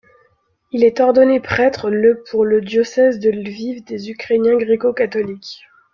Il est ordonné prêtre le pour le diocèse de Lviv des Ukrainiens gréco-catholiques.